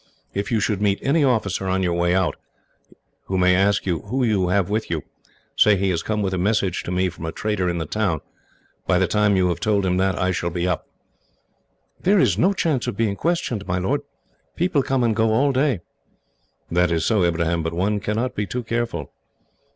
If you should meet any officer on your way out, who may ask you who you have with you, say he has come with a message to me from a trader in the town. By the time you have told him that, I shall be up." "There is no chance of being questioned, my lord. People come and go all day." "That is so, Ibrahim, but one cannot be too careful."